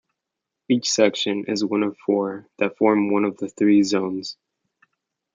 Each section is one of four, that form one of three zones.